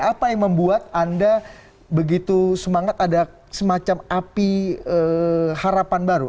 apa yang membuat anda begitu semangat ada semacam api harapan baru